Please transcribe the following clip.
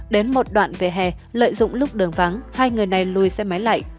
đến một đoạn về hè lợi dụng lúc đường vắng hai người này lùi xe máy lại